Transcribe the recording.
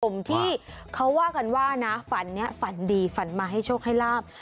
ที่เขาว่ากันว่านะฝันนี้ฝันดีฝันมาให้โชคให้ลาบ